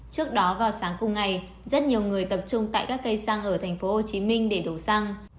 trước đó vào sáng cùng ngày rất nhiều người tập trung tại các cây xăng ở tp hcm để đổ xăng